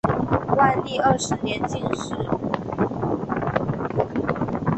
万历二十年进士。